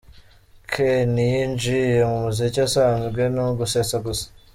K ntiyinjiye mu muziki usanzwe, ni ugusetsa gusa.